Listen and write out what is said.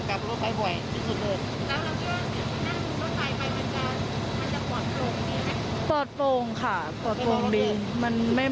แล้วเราก็นั่งรถไฟไปบรรจามันจะปลอดโปรงดีไหม